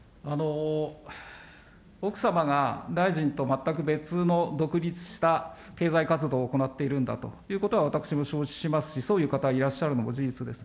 奥様が大臣と全く別の独立した経済活動を行っているんだということは、私も承知しますし、そういう方はいらっしゃるのも事実です。